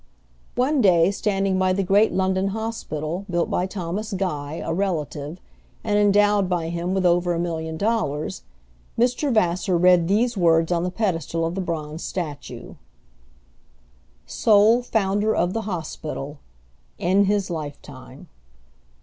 One day, standing by the great London hospital, built by Thomas Guy, a relative, and endowed by him with over a million dollars, Mr. Vassar read these words on the pedestal of the bronze statue: SOLE FOUNDER OF THE HOSPITAL. IN HIS LIFETIME.